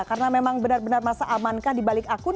karena memang benar benar masa amankah dibalik akun